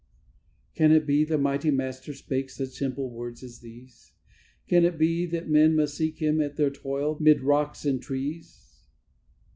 _" Can it be the mighty Master spake such simple words as these? Can it be that men must seek Him at their toil 'mid rocks and trees?